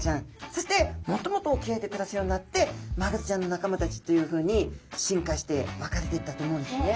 そしてもっともっと沖合で暮らすようになってマグロちゃんの仲間たちというふうに進化して分かれていったと思うんですね。